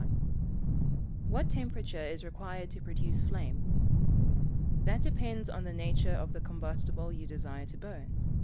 What temperature is required to produce flame? That depends upon the nature of the combustible you desire to burn.